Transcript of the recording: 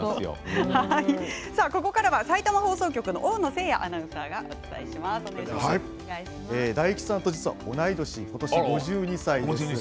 ここからはさいたま放送局の大野済也アナウンサーが大吉さんと実は同い年今年５２歳です。